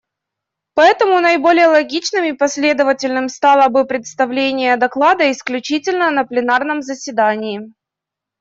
Поэтому наиболее логичным и последовательным стало бы представление доклада исключительно на пленарном заседании.